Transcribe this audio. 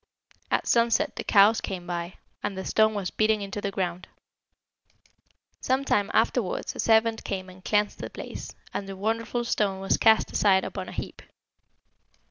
At sunset the cows came by, and the stone was beaten into the ground. Some time afterwards a servant came and cleansed the place, and the wonderful stone was cast aside upon a heap.